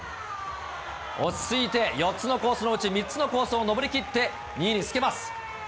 落ち着いて４つのコースのうち、３つのコースを登り切って２位につけます。